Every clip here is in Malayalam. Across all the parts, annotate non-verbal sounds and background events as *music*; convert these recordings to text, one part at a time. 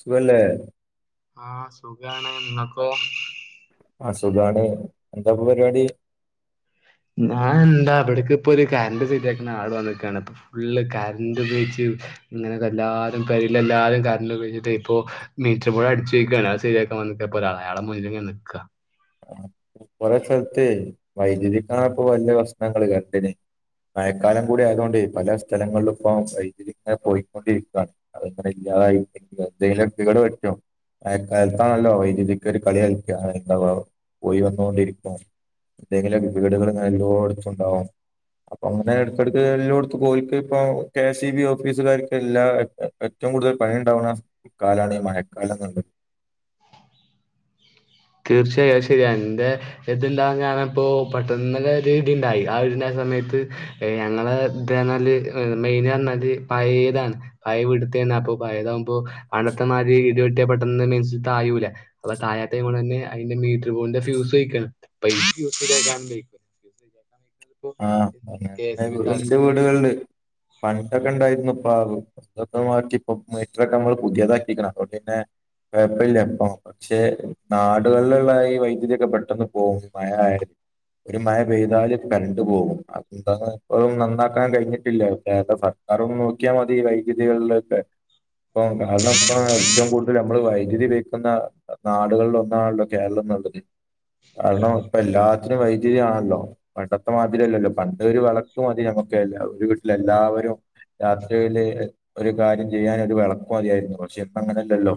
സുഖല്ലേ ആ സുഖാണ് ങ്ങക്കോ? ആ സുഖാണ് എന്താപ്പൊ പരിപാടി. ഞാൻ എന്താ ഇവിടക്ക് ഇപ്പൊ ഒരു കറണ്ട് ശരിയാക്കുന്ന ആള് വന്നക്കയാണ് പ്പം ഫുള്ള് കറണ്ട് ഉപയോഗച്ച് ഇങ്ങനെത് എല്ലാരും പെരീൽ എല്ലാരും കറണ്ട് ഉപയോഗിച്ചിട്ട് ഇപ്പോ മീറ്റർബോർഡ് അടിച്ചു പൊയ്ക്കാണ് അത് ശരിയാ *unintelligible* പ്പോ ഒരാള് അയാളെ മുന്നില് ഇങ്ങനെ നിക്ക. കൊറെ സ്ഥലത്ത് വൈദ്യുതിക്കാണിപ്പൊ വല്ല്യ പ്രശ്നങ്ങള് കരണ്ടിന് മയക്കാലം കൂടി ആയതോണ്ടേ പല സ്ഥലങ്ങളിലും ഇപ്പം വൈദ്യുതി റ ഇങ്ങനെ പോയിക്കൊണ്ടിരിക്കാണ് അതങ്ങനെല്ല. അതായിരുക്കും *unintelligible* വെട്ടും മഴ കാലത്താണല്ലോ വൈദ്യുതിക്ക് ഒരു കളി കളിച്ച *unintelligible* പോയി വന്ന് ണ്ടിരിക്ക എന്തെങ്കിലും വീടുകള് ങ്ങനെ എല്ലോടുത്തുംണ്ടാവും. അപ്പൊ അങ്ങനെ എടുക്കടുക്ക് എല്ലോട്ത്തും പോയിറ്റ് ഇപ്പോ കെ എസ് ഇ ബി ഓഫീസുകാർക്ക് എല്ലാ *unintelligible* ഏറ്റവും കൂടുതൽ പണിയുണ്ടാവുന്ന കാലാണ് ഈ മഴക്കാലംന്നത്. *inaudible* തീർച്ചയായും അ ശരിയാ ഇന്റെ ഇത്ണ്ടാണ് ഞാൻ ഇപ്പോ പെട്ടെന്ന് ഒരു ഇടിണ്ടായി ആ ഇടിന്റെ ശേഷം അ സമയത്ത് ഞങ്ങളെ ഇത് പറഞ്ഞാല് മെയിന് പറഞ്ഞാല് പയേതാണ് പയ വീട്ടിത്തെ പ്പൊ പയതാകുമ്പോ അന്നത്തെമാതിരി ഇടി വെട്ടിയ പെട്ടെന്ന് മെയിൻ സ്വിച്ച് തായൂല. അപ്പൊ തായാത്തയിമേ തന്നെ അതിന്റെ മീറ്റർ ബോഡിന്റെ ഫ്യൂസ്പോഴിക്കാണ്. *unintelligible* ആ അദെ ഇന്റെ വീടുകളല് പണ്ടൊക്കെ ഉണ്ടായിരുന്നു ഇപ്പൊ തക്കെമാറ്റി മീറ്ററൊക്കെ നമ്മൾ പുതിയതാക്കിക്ക്ണ് അപ്പോ പിന്നെ കേക്കലില്ലപ്പോ പക്ഷെ നാടുകളിലുള്ള ഈ വൈദ്യുതിയൊക്കെ പെട്ടന്ന് പോവും മഴ ആയാല്. ഒരു മഴ പെയ്താല് കരണ്ട് പോകും അപ്പോ എന്താന്ന് ഒന്ന് നന്നാക്കാൻ കഴിഞ്ഞിട്ടില്ല സർക്കാരൊന്ന് നോക്കിയാൽ മതി വൈ രീതികളിലൊക്കെ ഇപ്പൊ കാരണം ഇപ്പോ ഏറ്റവും കൂടുതൽ നമ്മള് വൈദ്യുതി ഉപയോഗിക്കുന്ന നാടുകളിൽ ഒന്നാണല്ലോ കേരളം. അദെ കാരണം ഇപ്പം എല്ലാത്തിനും വൈദ്യുതി ആണല്ലോ. പണ്ടത്തെ മാതിരില്ലല്ലോ പണ്ട് ഒര് വെളക്ക് മതി നമുക്ക് എല്ല ഒരു വീട്ടിലെ എല്ലാവരും രാത്രിയില് ഒരു കാര്യം ചെയ്യാൻ ഒരു വെളക്ക് മതിയായിരുന്നു പക്ഷേ ഇപ്പ അങ്ങനെല്ലല്ലോ.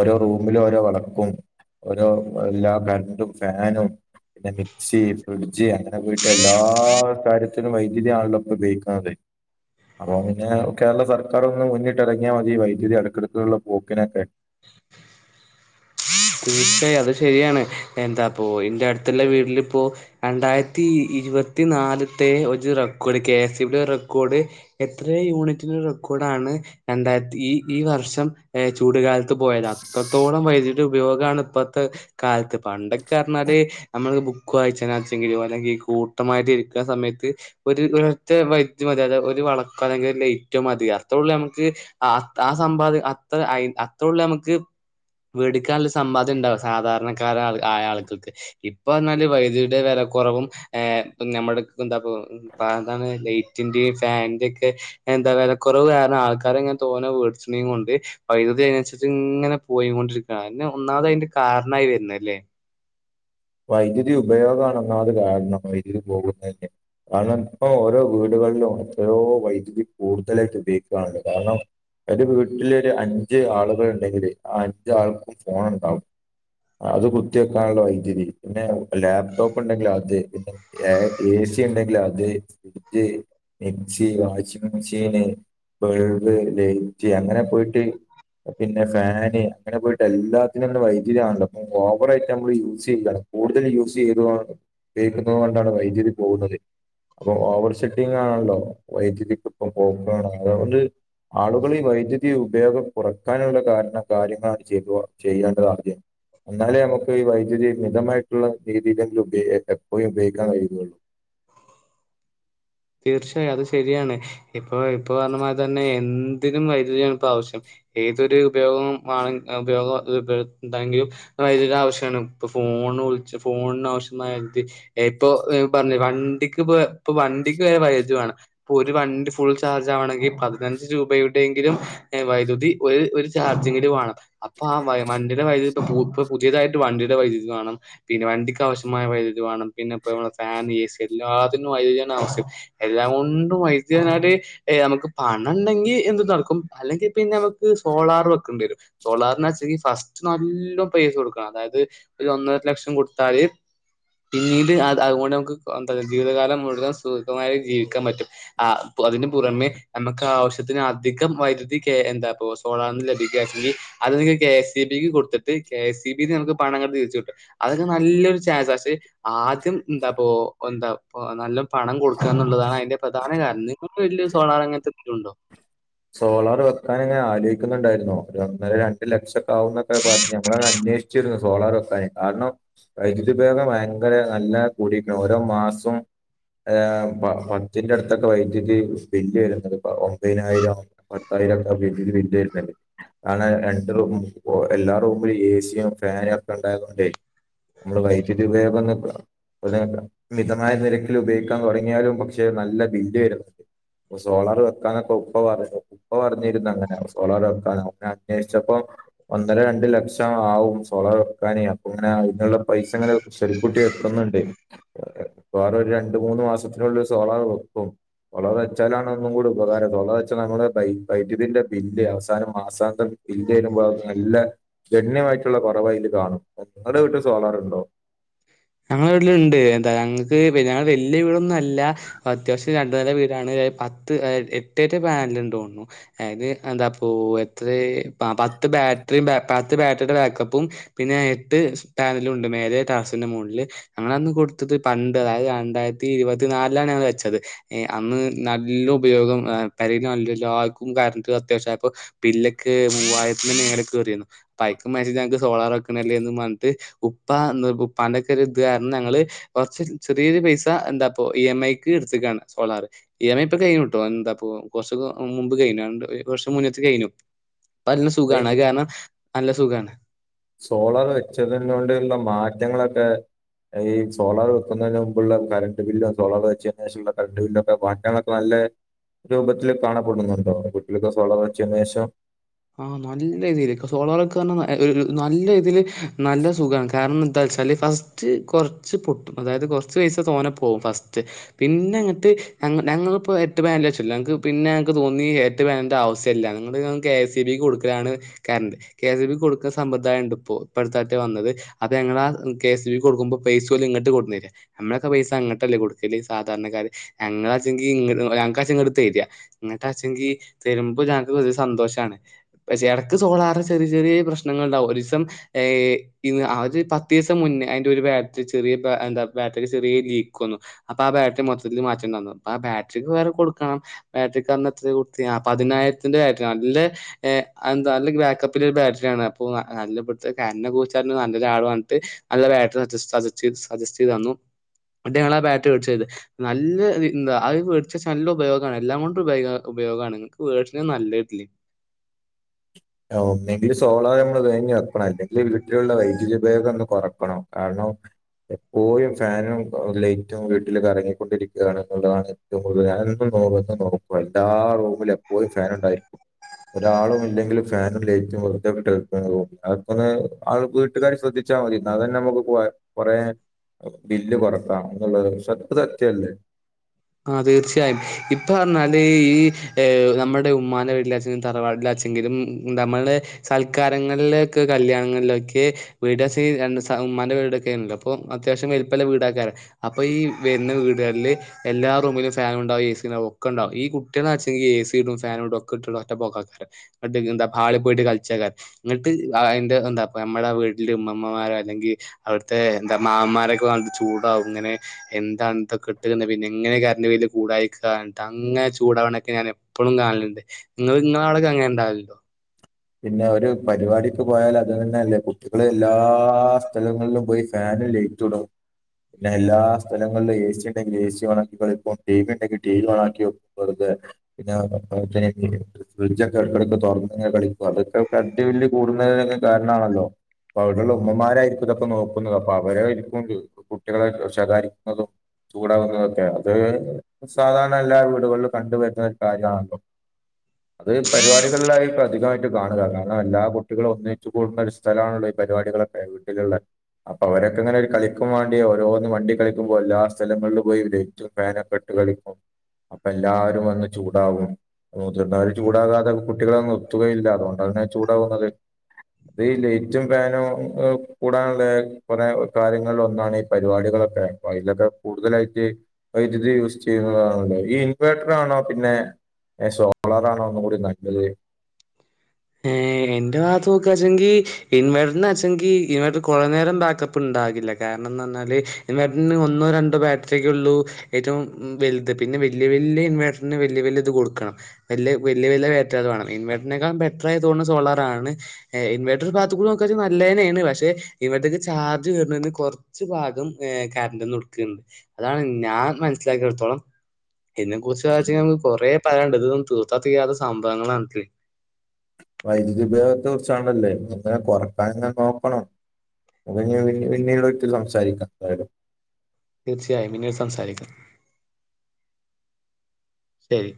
ഓരോ റൂമിലും ഓരോ വളക്കും ഓരോ എല്ലാ കറന്റും ഫാനും പിന്നെ മിക്സി, ഫ്രിഡ്ജ് അങ്ങനെ പോയിട്ട് എല്ലാ കാര്യത്തിലും വൈദ്യുതി ആണല്ലോ ഇപ്പ ഉപയോഗിക്കുന്നത്. അപ്പൊ പിന്നേ കേരള സർക്കാർ ഒന്ന് മുന്നിട്ട് എറങ്ങിയാമതി വൈദ്യുതി ഏടക്കെടുക്കുള്ള പോക്കിനൊക്കെ. *inaudible* തീർച്ചായും അത് ശരിയാണ് എന്താപ്പോ എന്റെ അടുത്തുള്ള വീട്ടിലിപ്പോ രണ്ടായിരത്തി ഇരുപത്തിനാല്ത്തെ ഒരു record K S E B യുടെ റെക്കോർഡ് എത്ര യൂണിറ്റിന്റെറെ റെക്കോ ണ് രണ്ടായിരത്തി ഈ ഈ വർഷം ചൂടുകാലത്ത് പോയത് അത്രത്തോളം വൈദ്യ തി ഉപയോഗമാണ് ഇപ്പോഴത്തെ കാലത്ത് പണ്ടൊക്കെ പറഞ്ഞാല് നമ്മൾ ബുക്ക് വായിച്ചാനച്ചെങ്കിലും ഒലെകി കൂട്ടമായിട്ട് ഇരിക്കുന്ന സമയത്ത് ഒരു ഒറ്റ വൈദ്യ മതി അത ഒരു വളക്കോ അല്ലെങ്കിൽ ലൈറ്റോ മതി തി അത്രള്ളു നമക്ക് ആഹ് ത് ആഹ് സമ്പാദം അത്ര അയ് അത്രള്ളു നമക്ക് വീടിക്കാൻള്ള സമ്പാദ്യ ഉണ്ടാവും സാധാരണക്കാര ആൾ ആയ ആൾകൊക്കെ ഇപ്പ അർഞ്ഞാല് വൈദ്യയുടെ വില കുറവ് പ്പം ഏ നമ്മൾക്ക് എന്താപ്പോ ഇപ്പ എന്താണ് ലൈറ്റിന്റെയും ഫാനിന്റിം ഒക്കെ എന്താ വിലക്കുറവ് കാരണം ആൾക്കാർ ഇങ്ങനെ തോന്ന വേടിച്ചണ കൊണ്ട് വൈദ്യുതി അനുസരിച്ച് ഇങ്ങനെ പോയി കൊണ്ടിരിക്ക അഅന്നെ ഒന്നാമത് അയിന്റെ കാര്ണായി വര്ന്ന ല്ലേ വൈദ്യുതി ഉപയോഗം അണങ്ങാത് കാരണം വൈദ്യുതി പോകുന്നന്നെ കാരണം ഇപ്പ ഓരോ വീടുകളിലും എത്രയോ വൈദ്യുതി കൂടുതലായിട്ട് ഉപയോഗിക്കുകുണ്ട് കാരണം ഒരു വീട്ടില ഒരു അഞ്ച് ആളുകൾ ഉണ്ടെങ്കില് ആ അഞ്ച ആൾക്കും ഫോണ് ഉണ്ടാവും അത് കുത്തിവെക്കാനുള്ള വൈദ്യുതി പിന്നെ ലാപ്ടോപ്പ് ഉണ്ടെങ്കിലത് പിന്നെ ഏ ഏസി ഉണ്ടെങ്കിലത് ഏ എംസി വാഷിംഗ് മിഷീന് വേൾവ് ലേജി അങ്ങനെ പോയിട്ട് പിന്നെ ഫാന് അങ്ങനെ പോയിട്ട് എല്ലാത്തിനും ഇങ്ങനെ വൈദ്യുതി വാണ്ടെ അപ്പൊ ഓവറായിട്ട് നമ്മള് യൂസ് ചെയ്യണം കൂടുതൽ യൂസ് ചെയ്ത കേ അപ്പൊ ഓവർ ചെക്കിങ് ആണല്ലോ വൈദ്യുതിക്ക് ഇപ്പം *unintelligible* ആളുകളീ വൈദ്യുതി ഉപയോഗം കുറക്കാനുള്ള കാരണ കാര്യങ്ങളാണ് ചെയ്തു വ ചെയ്യേണ്ടത് ആദ്യം എന്നാലേ നമുക്ക് ഈ വൈദ്യുതി മിതമായിട്ട രീതിയിലെങ്കിൽ ഉ എപ്പോഴും ഉപയഗം കഴുകയുള്ളൂ തീർച്ചയായും അത് ശരിയാണ് ഇപ്പൊ ഇപ്പൊ പറഞ്ഞ മാതി തന്നെ എന്തിനും വൈദ്യുതിയാണ് ഇപ്പോ ആവശ്യം ഏതൊരു ഉപയോഗം ഉപയോഗം ഉണ്ടെങ്കിലും വ ആവശ്യമാണ് ഇ ഫോൺ ഒന്ന് വിളിച്ച ഫോണ്ണാവശ്യമായ *unintelligible* ഇപ്പൊ പറഞ്ഞി വണ്ടിക്ക് ഇപ്പൊ ഇപ്പൊ വ വരെ വൈാണ് ഇൊ ഒരു വണ്ടി ഫുൾ ചാർജ് ആണെങ്കിൽ പതിനഞ്ച് രൂപയുടെെങ്കിലും ദ്യുതി ഒര് ഒര് ചാർജെങ്കിലും വാണം അപ്പൊ ആ വഴ വണ്ടിയുടെ വൈദ്യുതി ഇപ്പൊ പു ഇപ്പൊ പുതിയതായിട്ട് വണ്ടിയുടെ വൈദ്യുതി വാണം പിന്നെ വണ്ടിക്ക് ആവശ്യമായ വൈദ്യുതി വാണം പിന്നെപ്പോ നമ്മളെ ഫാൻ ഏ സി എല്ലാത്തിനും വൈദ്യുതി ആണ് ആവിശ്യം എല്ലാം കൊണ്ടും വൈദ്യുത നാട് ഏ നമുക്ക് പണണ്ടെങ്കിൽ എന്തും നടക്കും അല്ലെങ്കിൽ പിന്നെ സോളാർ വെക്കേണ്ടി വരും സോളാറി വെച്ച ഫസ്റ്റ് നല്ല പൈസ കൊടുക്കണം അതായത് ഒന്നര ലക്ഷം കൊടുത്താൽ പിന്നീട് അതുകൊണ്ട് നമുക്ക് എന്താ ജീവിതകാലം മുഴുവൻ സുമായി ജീവിക്കാൻ പറ്റും ആ അതിനന് പുറമെ നമുക്ക് ആവശ്യത്തിന് അധികം വൈദ്യുതി എന്താ പ്പൊ സോളാർന്ന് ലഭിക്കാങ്കിൽ അത് നിങ്ങക്ക് കെ എസ് സി ബിക്ക് കൊടുത്തിട്ട് കെ എസ് സി ബി ന്ന് നമുക്ക് പണം ഇങ്ങണ്ട് തി അതക്കെ നല്ലൊരു ചാസാസി ആദ്യം ന്താ പ്പോഎന്താ പ്പോ നല്ലം പണം കൊടുക്കാന്നുള്ളതാണ് അയിന്റെ പ്രധാന കാരണം നിങ്ങൾക്ക് വല്യ സോളാർ അങ്ങൻത്തെ എന്തേലുംഉണ്ടോ സോളാറ് വെക്കാന് അങ്ങനെ ആലോയിക്കുന്നുണ്ടായിരുന്നോ ഒരു ഒന്നര രണ്ട് ലക്ഷം ആാവന്നൊക്കെ പറഞ്ഞ് നമ്മള അന്വേഷിച്ചിരുന്നു സോളാർ വക്ക കാരണം വൈദ്യുതിപേോഗം ഭയങ്കര നല്ല കൂടിയിരിക്കുന്നു ഓരോ മാസം ഏം പ പത്തിന്റെ അടുത്തൊക്കെ വൈദ്യുതി സ് ബില്ല് വരുന്നത് പ ഒമ്പയിനായിരം പത്തായിരം ഉണ്ടാവും *unintelligible* അങ്ങനെ രണ്ട്റ എല്ലാ റൂമിലും എ സിയും ഫാനും ഒക്കെ ഉണ്ടായത് കൊണ്ട നമ്മള് വൈറ്റിട്ട വേന്ന *unintelligible* മിതമായ നിരക്കില് ഉപയോഗിക്കാൻ തൊടങ്ങിയാലും പക്ഷെ നല്ല ബില്ല് വരും സോളാറ് വെക്കാനൊക്കെ ഉപ്പ പറ ഇപ്പ പറഞ്ഞിരുന്നു അങ്ങനെ സോളാർ വക്കാൻ അങ്ങനെ അന്വേഷിച്ചപ്പോ ഒന്നര രണ്ട് ലക്ഷം ആവും സോളാർ വക്കാനെ ഉ *inaudible* വേറ ഒരു രണ്ട മൂന്ന് മാസത്തിനുള്ളരു സോളാർ വെക്കും തൊള വച്ചാലാണ് ഒന്നും കൂടി ഉപകാരം തൊള വച്ചാൽ നമ്മുടെ വൈദ്യുതിന്റെ ബില്ല് അവസാനം മാസാന്തം ബില്ല് വരുമ്പോൾ നല്ല ഗണ്യമായിട്ടുള്ള *unintelligible* കാണും നിങ്ങൾടെ വീട്ടില് സോളാറുണ്ടോ *inaudible* ഞങ്ങളെ വീട്ടില് ഉണ്ട് എന്താ ഞങ്ങക്ക് ഞങ്ങ വല്യ വീടൊന്നും അല്ല അത്യാവശ്യം രണ്ട് നെല വീടാണ് പത്ത് എട്ടേറ്റ് പാനല് ഉണ്ടെന്നു തോന്നുന്നു അത് എന്താപ്പോ എത്ര പത്ത പത്ത് ബാറ്ററിയും പത്ത് ബാറ്ററിയുടെ ബാക്കപ്പും പിന്നെ എട്ട് പാനലും ഉണ്ട് മേലെ ടെറസിന്റെ മൊ ളില് ഞങ്ങൾ അന്ന് കൊടുത്തത് പണ്ട് രണ്ടായിരത്തി ഇരുപത്തി നാലിൽ ആണ് ഞങ്ങള് വെച്ചത് അന്ന് നല്ല ഉപയോഗം പെരെ നല്ല എല്ലാർക്കും കറണ്ട് അത്യാവശ്യമായപ്പോ ബില്ലക്കെ മൂവായിരത്തി മേളിൽ കേറിയിരുന്നു അയിക്ക് *unintelligible* ഞങ്ങക്ക് സോളാറ് വെക്കുന്നതല്ലേന്ന് പറഞ്ഞിട്ട് ഉപ്പ അന്ന് ഉപ്പാന്റെ *unintelligible* ഞങ്ങള് കൊറച്ച് ചെറിയൊരു പൈസ എന്താപ്പോ ഇ എം ഐ ക്ക് എടുത്തേക്കാണ് സോളാറ് ഇഎംഐ ഇപ്പൊ കഴിയുട്ടോ എന്താ ഇപ്പോ കൊറച്ച് മുമ്പ് കഴിഞ്ഞുണ്ട് ഒരു വർഷം മുന്നേത്ത് കഴിഞ്ഞു ഇപ്പം നല്ല അപ്പൊ സുഖാണ് അത് കാരണം നല്ല സുഖാണ് സോളാറ് വെച്ചതിനെകൊണ്ടുള്ള മാറ്റങ്ങളൊക്കെ ഈ സോളാറ് വെക്കുന്നതിന് മുമ്പുള്ള കറണ്ട് ബില്ലോ സോളാർ വെച്ചതിന്ശേഷമുള്ള കറണ്ട് ബില്ലൊക്കെ മാറ്റങ്ങളൊക്കെ നല്ല രൂപത്തില് കാണപ്പെടുന്നുണ്ടോ വീട്ടില് സോളാറ് വെച്ചതിനുശേഷം ആ നല്ല രീതിയിക്ക് സോളാറ് വെക്കുവാന്നു പറഞ്ഞാ ഒരു നല്ല രീതിയില് നല്ല സുഖാണ് കാരണം എന്താവെ വച്ചാല് ഫസ്റ്റ് കൊറച്ച് പൊട്ടും അതായത് കൊറച്ച് പൈസ തോന്നെ പോകും ഫസ്റ്റ് പിന്നെ അങ്ങോട്ട് ഞങ്ങ ഞങ്ങളിപ്പോ എട്ട്പാനല് വെച്ചല്ലോ ഞങ്ങക്ക് പിന്നെ ഞങ്ങക്ക്തോന്നി എട്ടുപാനലിന്റെ ആവശ്യമില്ലാന്ന് ഞങ്ങള് കെ എസ് സി ബി കൊടുക്കാണ് current K S C B കൊടുക്കുന്ന സമ്പ്രദായം ഉണ്ട് ഇപ്പോ ഇപ്പഴത്തേയക്കാ വന്നത് അത് ഞങ്ങള് ആ കെ എസ് ബി കൊടുക്കുമ്പോ പൈസ പോലും ഇങ്ങോട്ട് കൊണ്ടുന്നുതരുവാ നമ്മളൊക്കെ പൈസ അങ്ങട്ടല്ലേ കൊടുക്കല് സാധാരണക്കാര് അങ്ങ നിങ്ങള് അടച്ചെങ്കിൽ ങ്ങ ആ കാശ് ഇങ്ങടുത്തു തര ങ്ങട്ടാശെങ്കി തരുമ്പോ ഞങ്ങക്ക് വലിയ സന്തോഷണ് പക്ഷെ എടക്ക് സോളാറ് ചെറിയ ചെറിയ പ്രശ്നങ്ങൾ ണ്ടാവും ഒരീസം ഏഹ് ഇന്ന് ആ ഒരു പത്തീ സം മുന്നേ അയ്ന്റെ ഒരു ബാറ്ററി ചെറിയ ബാ എന്താ ബാറ്ററി ചെറിയ ലീക്ക് വന്നു അപ്പോ ആ ബാറ്ററി മൊത്തത്തില് മാറ്റേണ്ടവന്നു ന്നു ആഹ് ബാറ്ററിക്ക് വേറെ കൊടുക്കണം ബാറ്ററിക്ക് അന്ന് എത്രയാ കൊടുത്തേ ആഹ് പതിനായിരത്തിന്റെ ബാറ്ററി നല്ല ഏഹ് അതെന്താ അതിലെ ബാക്കപ്പിലെ ഒരു ബാറ്ററിയ ആണ് അപ്പോ *unintelligible* നല്ല കോസ്റ്റാണ് നല്ല ലാഭമാണ്പറഞ്ഞിട്ട് നല്ല ബാറ്ററി സജസ്റ്റ് ചെയ്ത് സജസ്റ്റ് ചെയ്ത് തന്നു എന്നിട്ടാ ഞങ്ങൾ ആ ബാറ്ററി മേടിച്ചത് നല്ല എന്താ അഹ് മേടിച്ച് വെച്ചാ നല്ല ഉപയോഗണ് എല്ലാം കൊണ്ടും ഉപയോഗം ഉപയോഗമാണ് നിങ്ങക്ക് മേടിച്ചന്ന നല്ലതാതില് ഓ ഒന്നെങ്കിൽ സോളോർ നമ്മള് വാങ്ങിവെക്കണം അല്ലെങ്കിൽ വീട്ടിലുള്ള വൈദ്യുതി ഉപയോഗം ഒന്ന് കുറക്കണം കാരണം എപ്പോഴും ഫാനും ലൈറ്റും വീട്ടില് ക റങ്ങിക്കൊണ്ടിരിക്കുകയാണ് എന്നുള്ളതാണ് ഏറ്റവും കൂടുതല് ഞാൻ പോകുമ്പോ ഒന്ന് നോക്കും എല്ലാ റൂമിലും എപ്പോഴും ഫാൻ ഉണ്ടായിരിക്കും ഒരാളും ഇല്ലെങ്കിലും ഫാനും ലൈറ്റ് ഒക്കെ വിട്ട് അങ്ങ് പോകും അവർക്കൊന്ന്‌ അവരുടെ വീട്ടുകാര് ശ്രദ്ധിച്ചാൽ മതി ന്നാ തന്നെ നമുക്ക് കൊറെ ബില്ല് കൊറക്കാം എന്നുള്ളത് സത്യത്തിൽ സത്യമല്ലേ ആ തീർച്ചയായും ഇപ്പോ പറഞ്ഞാല് ഈ നമ്മടെ ഉമ്മാന്റെ വീട്ടില് വെച്ച് ശേഷം തറവാടിലാ ച്ചങ്കിലും നമ്മടെ സൽക്കാരങ്ങളിലെക്കെ കല്യാണങ്ങളിലൊക്കെ വീഡിയോ ചെയ്ന്ന സ ഉമ്മാന്റെ വീടൊക്കെല്ലോ അപ്പോ അത്യാവശ്യം വലുപ്പമുള്ള വീടാക്കറ അപ്പോ ഈ വരുന്ന വീടുകളില് എല്ലാ റൂമിലും ഫാൻ ഉണ്ടവും എ സി ഉണ്ടാവും ഒക്കെയുണ്ടാവും ഈ കുട്ടിളാ വച്ചെങ്കിൽ എ സി ഇടും ഫാൻ ഇടും ഒക്കെ ഇട്ടിട്ട് ഒറ്റ പോക്കാ എന്നട്ട് എന്താ ഹാളിൽ പോയിട്ട് കളിച്ചേക്കാർ എന്നിട്ട് അതിന്റെ എന്താ നമ്മടെ വീട്ടില് ഉമ്മുമ്മമാര് അല്ലെങ്കിൽ അവിടുത്തെ എന്താ മാമ്മമാരൊക്കെ വന്നിട്ട് ചൂടാവും ഇങ്ങനെ എന്താണ് ഇതൊക്കെ ഇട്ടിരുന്നത് പിന്നെ അങ്ങനെ കറണ്ട് ബില്ല് കൂടായിക്കാ ണ്ടാ അങ്ങനെ ചൂടവണൊക്കെ ഞാൻ എപ്പഴും കാണണുണ്ട് നിങ്ങള് നിങ്ങളടെവിടെയൊക്കെ അങ്ങനെ ഉണ്ടാവുല്ലില്ലോ പിന്നെ ഒരു പരിപാടിക്ക് പോയാൽ അത് തന്നെ അല്ലേ കുട്ടികള് എല്ലാ സ്ഥലങ്ങളിലും പോയി ഫാൻ ഫാനും ലൈറ്റും ഇടും പിന്നെ എല്ലാ സ്ഥലങ്ങളിലും എ സി ഉണ്ടെങ്കിൽ എ സി ഓണക്കികളിക്കും ടി വി ഉണ്ടെങ്കിൽ ടി വി ഓണാക്കിവെക്കും വെറുതെ പിന്നെ *unintelligible* ഫ്രിഡ്ജ് ഒക്കെ ഇടയ്ക്കിടയ്ക്ക് തുറന്ന് ഇങ്ങനെ കളിക്കും അപ്പോ അതൊക്കെ കരണ്ട് ബില്ല് കൂടുന്നതിനെക്കെ കാരണമാണല്ലോ അപ്പ അവിടെയുള്ള ഉമ്മമാരായിരിക്കും ഇതൊക്കെ നോക്കുന്നത് അപ്പോ അവരായി രിക്കും കുട്ടികളെ ശകാരിക്കുന്നതും ചൂടാവുന്നതൊക്കെ അത് സാധാരണ എല്ലാ വീടുകളിലും കണ്ടു വരുന്ന ഒരു കാര്യമാണല്ലോ അത് പരിപാടികളിലായിട്ട് അധികമായി ട്ടു കാണുക കാരണം എല്ലാ കുട്ടികളും ഒന്നിച്ചു കൂടുന്ന ഒരു സ്ഥലമാണല്ലോ ഈ പരിപാടികളെ ക്കെ വീട്ടിലുള്ള അപ്പോ അവരെക്കെ ഇങ്ങനെ ഒരു കളിക്കും വേണ്ടി ഓരോന്ന് വണ്ടി കളിക്കുമ്പോ എല്ലാ സ്ഥലങ്ങളിലും പോയി ലൈറ്റും ഫാനും ഒക്കെ ഇട്ട് കളിക്കും അപ്പോ എല്ലാരും വന്ന് ചൂടാവും മുതിർന്നവര് ചൂടാകാതെ കുട്ടികളൊന്നും നിർത്തുകയില്ല അതുകൊണ്ടന്നെ ചൂടാവുന്നത് അത് ഈ ലൈറ്റും ഫാനും കൂടാനുള്ള കുറെ കാര്യങ്ങളിൽ ഒന്നാണ് ഈ പരിപാടികൾ ഒക്കെ അ അതിലൊക്കെ കൂടുതലായിട്ട് വൈദ്യുതി യൂസ് ചെയ്യുന്നതാണല്ലോ ഈ ഇൻവെട്ടർ ആണോ പിന്നെ ഏഹ് സോളാറാണോ ഒന്നുകൂടി നല്ലത് ഏഹ് എന്റെ ഭാഗം നോക്കാച്ചെങ്കി ഇൻവേർട്ടർന്ന്ച്ചെങ്കിൽ ഇൻവേർട്ടർ കുറെ നേരം ബാക്കപ്പ് ഉണ്ട് കാരണംന്ന് പറഞ്ഞാല് ഒന്നോ രണ്ടോ ബാറ്ററിയൊക്കെ ഉള്ളൂ ഏറ്റവും വലുത് പിന്നെ വലിയ വലിയ ഇൻവർട്ടറിന് വല്യ വല്യ ഇത് കൊടുക്കണം വല്യ വലിയ ഇൻവെട്ടർ വേണം ഇവർട്ടറിനെക്കാളും ബെറ്റർ ഇൻവട്ടർ ആയോണ്ട് സോളാറാണ് ഇൻവർട്ടർ ഭാഗത്ത് നിന്ന് നോക്കുമ്പോൾ നല്ല തന്നയാണ് പക്ഷെ ഇൻവട്ടർ ചാർജ് തിന് കുറച്ച് ഭാഗം കറണ്ട് ന്ന് എടുക്കയുള്ളു അതാണ് ഞാൻ മനസ്സിലാക്കിയടുത്തോളം ഇതിനെ കുറിച്ച് വച്ച നമുക്ക് കുറേ പറയാനുണ്ട് ഇതൊന്നും തീർത്താ തീരാത്ത സംഭവങ്ങളാണേ വൈദ്യുതി ഉപയോഗത്തെ കുറിച്ചാണല്ലേ ഇങ്ങനെ കൊറക്കാനങ്ങന നോക്കണം അത് പിന്നീട് ഒരിക്കൽ സംസാരിക്കാം എന്താലും തീർച്ചയായും പിന്നീട് സംസാരിക്കാം ശരി